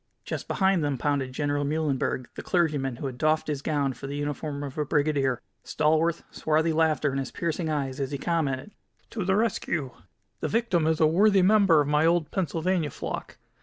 Just behind them pounded General Muhlenberg, the clergyman who had doffed his gown for the uniform of a brigadier, stalwart, swarthy, laughter in his piercing eyes as he commented: "To the rescue. The victim is a worthy member of my old Pennsylvania flock.